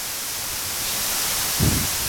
不相妨害